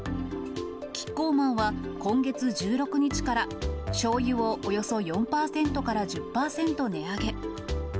キッコーマンは今月１６日から、しょうゆをおよそ４％から１０％値上げ。